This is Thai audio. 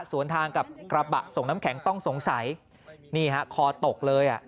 สวนทางกับกระบะส่งน้ำแข็งต้องสงสัยนี่ฮะคอตกเลยอ่ะ